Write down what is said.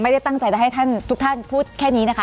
ไม่ได้ตั้งใจจะให้ท่านทุกท่านพูดแค่นี้นะคะ